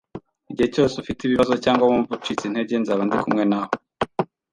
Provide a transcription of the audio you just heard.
Igihe cyose ufite ibibazo cyangwa wumva ucitse intege, nzaba ndi kumwe nawe